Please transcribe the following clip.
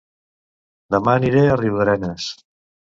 Dema aniré a Riudarenes